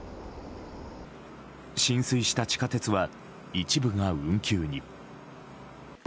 浸水した地下鉄は一部が運休に。